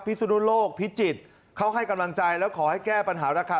สุนุโลกพิจิตรเขาให้กำลังใจแล้วขอให้แก้ปัญหาราคา